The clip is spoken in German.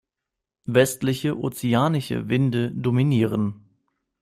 Westliche, ozeanische Winde dominieren.